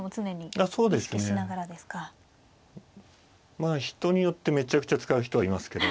まあ人によってめちゃくちゃ使う人はいますけど。